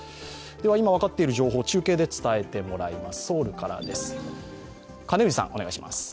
今、分かっている情報ソウルから中継で伝えてもらいます。